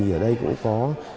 ở đây cũng có